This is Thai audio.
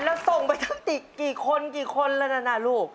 แล้วส่งไปทั้งกี่คนละนะลูก